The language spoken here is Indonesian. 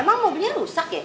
emang mobilnya rusak ya